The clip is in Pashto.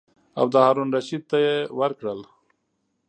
او د هارون الرشید ته یې ورکړل.